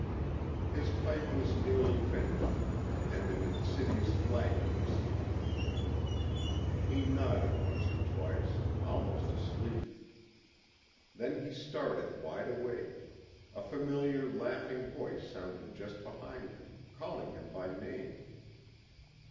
His pipe was nearly finished, and an insidious languor was stealing over him. He nodded once or twice, almost asleep. Then he started wide awake; a familiar laughing voice sounded just behind him, calling him by name.